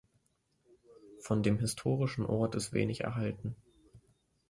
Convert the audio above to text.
Von dem historischen Ort ist wenig erhalten.